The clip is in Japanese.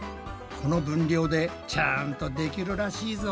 この分量でちゃんとできるらしいぞ。